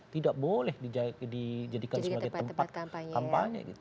tidak boleh dijadikan sebagai tempat kampanye